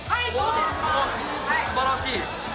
すばらしい！